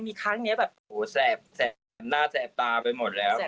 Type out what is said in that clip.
มีครั้งนี้แบบหน้าแสบตาไปหมดแล้ว